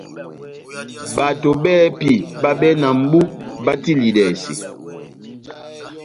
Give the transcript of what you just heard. Bato bɛ́hɛ́pi báhabɛ na mʼbú batilidɛse.